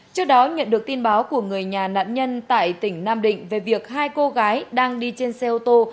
trước đó nhận được tin báo của người nhà nạn nhân tại tỉnh nam định về việc hai cô gái đang đi trên xe ô tô